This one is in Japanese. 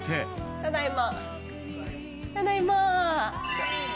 ただいま。